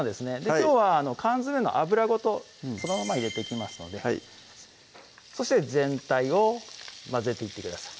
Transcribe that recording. きょうは缶詰の油ごとそのまま入れていきますのでそして全体を混ぜていってください